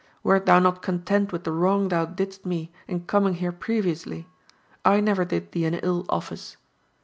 Wert thou not content with the wrong thou didst me in coming here previously? I never did thee an ill office.